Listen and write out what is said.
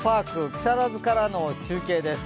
木更津からの中継です。